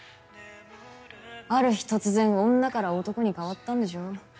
ある日突然女から男に変わったんでしょ。